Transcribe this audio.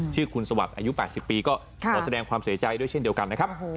ชื่อคุณสวัสดิ์อายุ๘๐ปีก็ขอแสดงความเสียใจด้วยเช่นเดียวกันนะครับ